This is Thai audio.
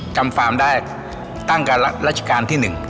จำฟามได้ตั้งกับราชการที่หนึ่ง